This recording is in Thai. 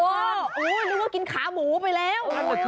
นึกว่ากินขาหมูไปแล้ว